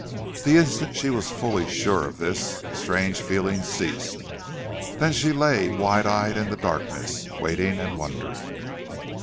The instant she was fully sure of this the strange feeling ceased. Then she lay wide eyed in the darkness, waiting and wondering.